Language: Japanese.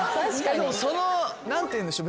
でもその何て言うんでしょう